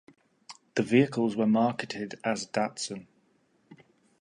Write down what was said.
The vehicles were marketed as Datsun.